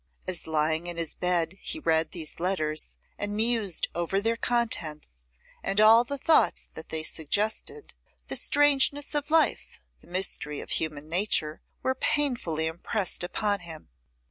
As lying in his bed he read these letters, and mused over their contents, and all the thoughts that they suggested, the strangeness of life, the mystery of human nature, were painfully impressed upon him.